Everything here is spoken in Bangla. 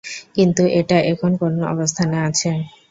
কিন্তু, এটা এখন কোন অবস্থানে আছে?